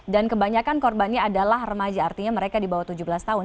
dan kebanyakan korbannya adalah remaja artinya mereka di bawah tujuh belas tahun